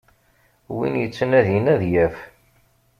Win yettnadin ad yaf.